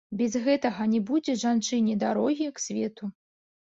Без гэтага не будзе жанчыне дарогі к свету.